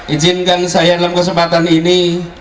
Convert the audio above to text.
izinkan saya dalam kesempatan ini